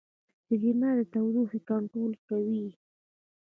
دماغ د تودوخې کنټرول کوي.